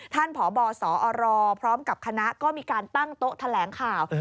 ท่านพบสอรพร้อมกับคณะก็มีการตั้งโต๊ะแถลงข่าว